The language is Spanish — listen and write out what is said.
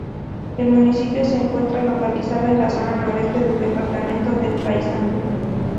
El municipio se encuentra localizado en la zona noreste del departamento de Paysandú.